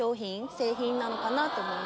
製品なのかなと思いました。